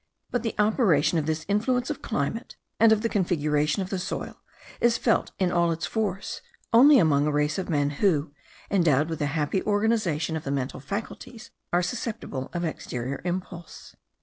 But the operation of this influence of climate, and of the configuration of the soil, is felt in all its force only among a race of men who, endowed with a happy organization of the mental faculties, are susceptible of exterior impulse.